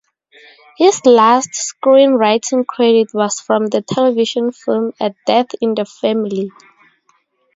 His last screenwriting credit was from the television film "A Death in the Family".